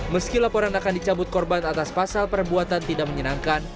meski laporan akan dicabut korban atas pasal perbuatan tidak menyenangkan